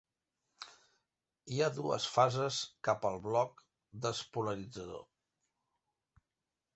Hi ha dues fases cap al bloc despolaritzador.